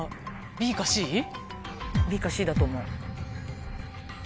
ＢかＣだと思う。